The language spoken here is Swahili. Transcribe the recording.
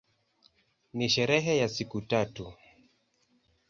Ni sherehe ya siku tatu.